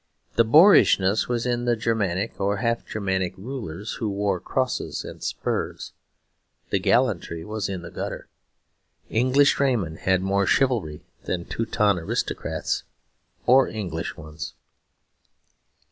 The boorishness was in the Germanic or half Germanic rulers who wore crosses and spurs: the gallantry was in the gutter. English draymen had more chivalry than Teuton aristocrats or English ones.